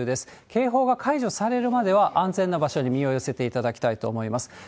警報が解除されるまでは、安全な場所に身を寄せていただきたいと思います。